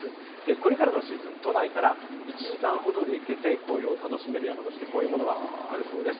これからのシーズン、都内から１時間ほどで行けて、紅葉を楽しめる山として、こういうものがあるそうです。